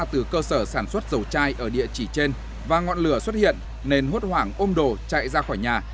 từ cơ sở sản xuất dầu chai ở địa chỉ trên và ngọn lửa xuất hiện nên hốt hoảng ôm đồ chạy ra khỏi nhà